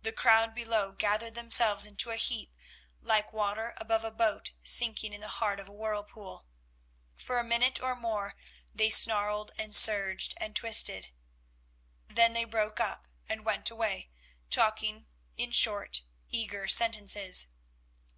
The crowd below gathered themselves into a heap like water above a boat sinking in the heart of a whirlpool. For a minute or more they snarled and surged and twisted. Then they broke up and went away, talking in short, eager sentences.